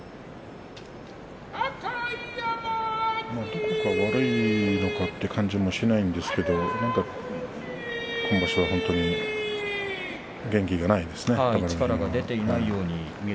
どこか悪いのかという感じはしないんですけど今場所は本当に元気がないですね、宝富士。